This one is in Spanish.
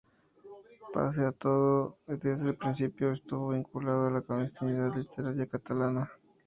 Pese a todo, desde el principio estuvo vinculado a la clandestinidad literaria catalana.